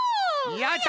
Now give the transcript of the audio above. やった！